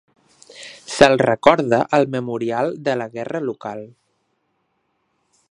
Se'l recorda al memorial de la guerra local.